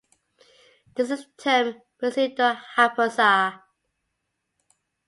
This is termed "pseudohypoxia".